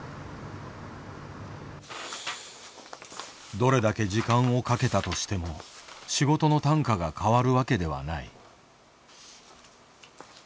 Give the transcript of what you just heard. どれだけ時間をかけたとしても仕事の単価が変わるわけではない。